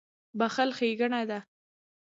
• بښل ښېګڼه ده.